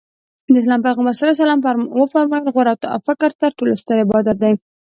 د اسلام پیغمبر ص وفرمایل غور او فکر تر ټولو ستر عبادت دی.